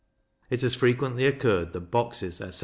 It has frequently occurred that boxes, etc.